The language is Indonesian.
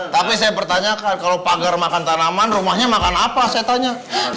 tapi saya pertanyakan kalau pagar makan tanaman rumahnya makan apa saya tanya